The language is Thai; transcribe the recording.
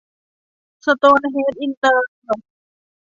สโตนเฮ้นจ์ อินเตอร์